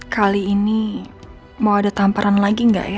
kali ini mau ada tamparan lagi nggak ya